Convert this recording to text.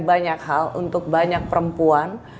banyak hal untuk banyak perempuan